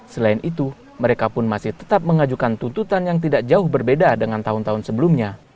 selain itu mereka pun masih tetap mengajukan tuntutan yang tidak jauh berbeda dengan tahun tahun sebelumnya